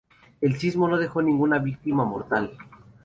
El sismo no dejó ninguna víctima mortal.